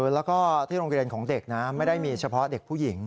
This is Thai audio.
แล้วก็ที่โรงเรียนของเด็กนะไม่ได้มีเฉพาะเด็กผู้หญิง